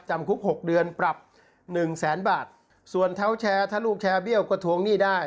จำคุกหกเดือนปรับหนึ่งแสนบาทส่วนเท้าแชร์ถ้าลูกแชร์เบี้ยวก็ทวงหนี้ได้